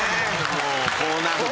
もうこうなると。